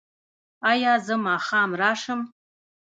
ایا زه ماښام راشم؟